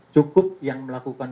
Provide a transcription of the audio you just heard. cukup yang melakukan